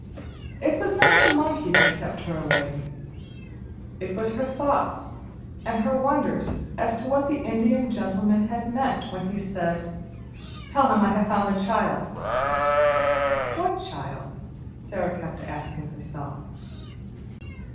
It was not the monkey that kept her awake it was her thoughts, and her wonders as to what the Indian Gentleman had meant when he said, "Tell him I have found the child." "What child?" Sara kept asking herself.